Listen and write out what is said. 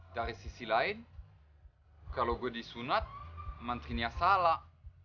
dari sisi lain kalau gue disunat menterinya salah